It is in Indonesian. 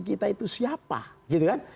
kita itu siapa gitu kan